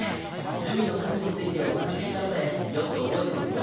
珠魅の核についてお話ししたのでよく覚えてますよ。